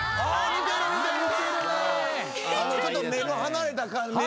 何かちょっと目の離れた感じね。